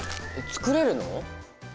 作れるの？